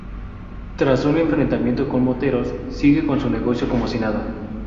Tras un enfrentamiento con moteros, siguen con su negocio como si nada.